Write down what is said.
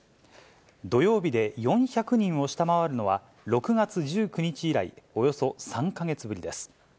土曜日で４００人を下回るのは６月１９日以来、およそ３か月ぶりです。